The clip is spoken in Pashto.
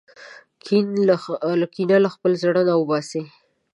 کین له خپل زړه څخه وباسم.